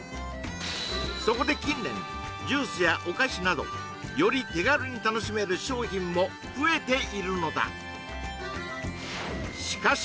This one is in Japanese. そこで近年ジュースやお菓子などより手軽に楽しめる商品も増えているのだしかし